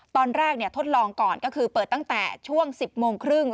ตอนแรกทดลองก่อนก็คือเปิดตั้งแต่ช่วง๑๐โมงครึ่ง